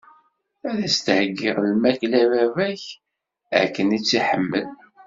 Ad s-d-heggiɣ lmakla i baba-k, akken i tt-iḥemmel.